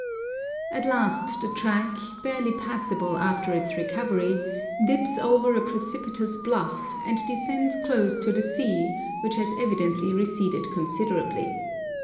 At last the track, barely passable after its recovery, dips over a precipitous bluff, and descends close to the sea, which has evidently receded considerably.